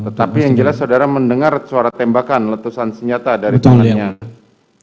tetapi yang jelas saudara mendengar suara tembakan letusan senjata dari tangannya